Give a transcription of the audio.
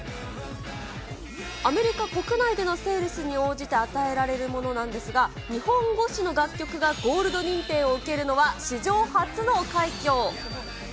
アメリカ国内でのセールスに応じて与えられるものなんですが、日本語詞の楽曲がゴールド認定を受けるのは、史上初の快挙。